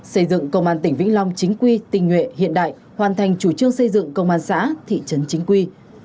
xây dựng công an tỉnh vĩnh long chính quy tình nguyện hiện đại hoàn thành chủ trương xây dựng công an xã thị trấn chính quy